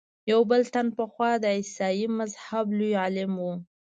یو بل تن پخوا د عیسایي مذهب لوی عالم و.